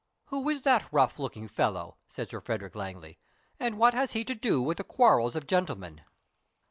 "Who is that rough looking fellow?" said Sir Frederick Langley, "and what has he to do with the quarrels of gentlemen?"